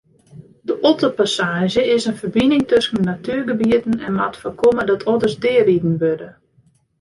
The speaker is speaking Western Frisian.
De otterpassaazje is in ferbining tusken natuergebieten en moat foarkomme dat otters deariden wurde.